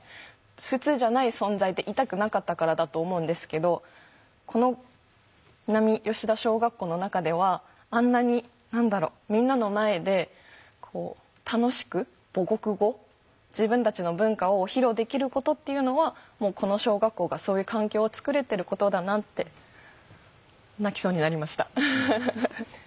普通じゃない存在でいたくなかったからだと思うんですけどこの南吉田小学校の中ではあんなに何だろうみんなの前で楽しく母国語自分たちの文化を披露できることっていうのはもうこの小学校がそういう環境をつくれてることだなって泣きそうになりました。